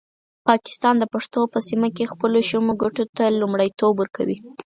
پاکستان د پښتنو په سیمه کې خپلو شومو ګټو ته لومړیتوب ورکوي.